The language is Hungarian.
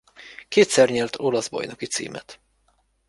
Kétszer nyert olasz bajnoki címet.